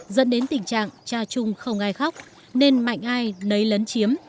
dẫn đến tình trạng cha chung không ai khóc nên mạnh ai nấy lấn chiếm